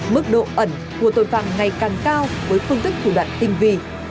mức độ ẩn của tội phạm ngày càng cao với phương thức thủ đoạn tinh vi